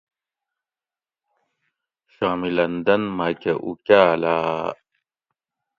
شامِ لندن مھکہ اُوکالاۤ